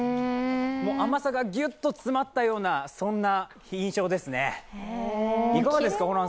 甘さがギュッと詰まったような印象ですね。